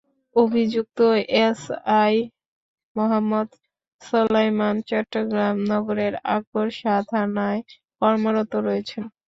অভিযুক্ত এসআই মোহাম্মদ সোলায়মান চট্টগ্রাম নগরের আকবর শাহ থানায় কর্মরত রয়েছেন।